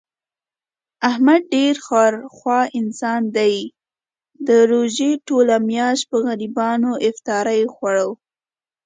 احمد ډېر خیر خوا انسان دی، د روژې ټوله میاشت په غریبانو افطاري خوري.